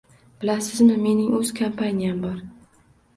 Bilasizmi, mening oʻz kompaniyam bor.